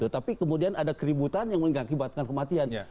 tapi kemudian ada keributan yang mengakibatkan kematian